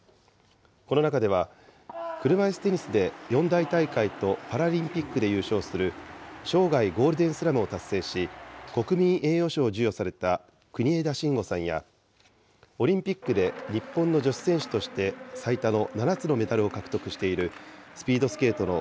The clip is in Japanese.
この中では、車いすテニスで四大大会とパラリンピックで優勝する生涯ゴールデンスラムを達成し、国民栄誉賞を授与された国枝慎吾さんやオリンピックで日本の女子選手として最多の７つのメダルを獲得しているスピードスケートの